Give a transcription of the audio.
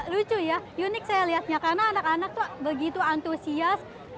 lucu ya unik saya lihatnya karena anak anak itu begitu antusias